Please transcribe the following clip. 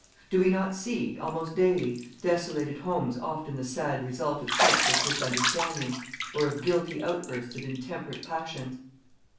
Do we not see, almost daily, desolated homes often the sad result of senseless misunderstandings, or of guilty outbursts of intemperate passions?